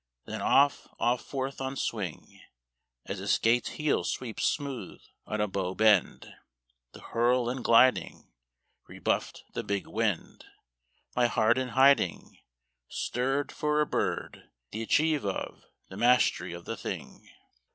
then off, off forth on swing, As a skate's heel sweeps smooth on a bow bend: the hurl and gliding Rebuffed the big wind. My heart in hiding Stirred for a bird, the achieve of, the mastery of the thing!